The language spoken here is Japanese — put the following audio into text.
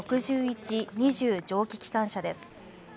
蒸気機関車です。